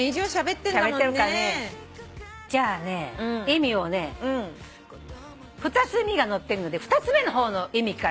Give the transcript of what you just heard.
じゃあね意味をね２つ意味が載ってるので２つ目の方の意味から言いますね。